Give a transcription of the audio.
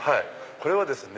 これはですね